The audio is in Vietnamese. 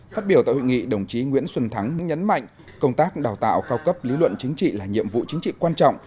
phát biểu tại hội nghị đồng chí nguyễn xuân thắng nhấn mạnh công tác đào tạo cao cấp lý luận chính trị là nhiệm vụ chính trị quan trọng